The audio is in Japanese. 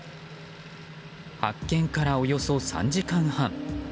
発見からおよそ３時間半。